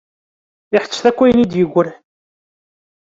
Iḥettet akk ayen i d-yeggran.